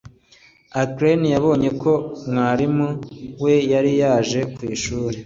Ukraine yabonye ko mwarimu we yari yaje ku ishuri